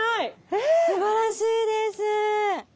すばらしいです！